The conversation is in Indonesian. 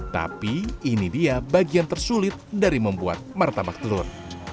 tapi ini dia bagian tersulit dari membuat martabak telur